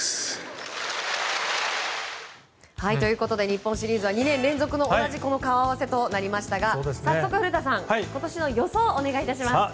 日本シリーズは２年連続の同じ顔合わせとなりましたが早速、古田さん今年の予想をお願いします。